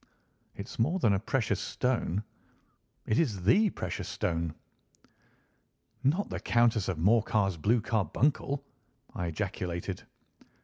"It's more than a precious stone. It is the precious stone." "Not the Countess of Morcar's blue carbuncle!" I ejaculated.